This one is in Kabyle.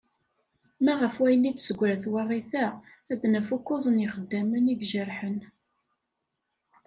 Ma ɣef wayen i d-tessegra twaɣit-a, ad naf ukuẓ n yixeddamen i ijerḥen.